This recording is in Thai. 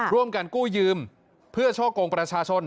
ร่วมกันกู้ยืมเพื่อช่อกงประชาชน